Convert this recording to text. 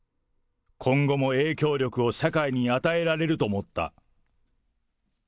今後も影響力を社会に与えられると思った。